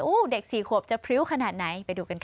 เด็ก๔ขวบจะพริ้วขนาดไหนไปดูกันค่ะ